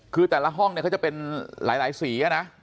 คือแต่ละห้องเนี่ยเขาจะเป็นหลายสีนะ